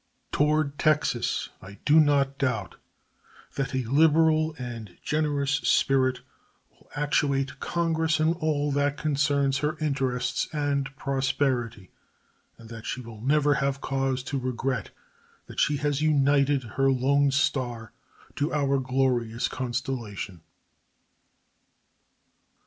Toward Texas I do not doubt that a liberal and generous spirit will actuate Congress in all that concerns her interests and prosperity, and that she will never have cause to regret that she has united her "lone star" to our glorious constellation.